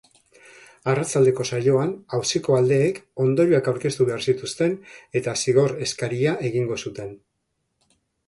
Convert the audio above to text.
Arratsaldeko saioan auziko aldeek ondorioak aurkeztu behar zituzten eta zigor eskaria egingo zuten.